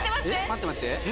待って待って！